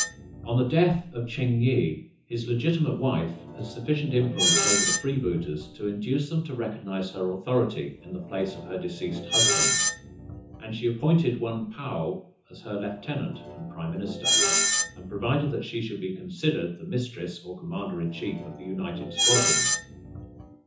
On the death of Ching yih, his legitimate wife had sufficient influence over the freebooters to induce them to recognize her authority in the place of her deceased husband's, and she appointed one Paou as her lieutenant and prime minister, and provided that she should be considered the mistress or commander in chief of the united squadrons.